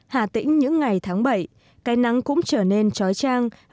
hạ tỉnh những ngày tháng bảy cây nắng cũng trở nên trói trang